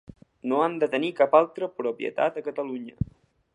No han de tenir cap altra propietat a Catalunya.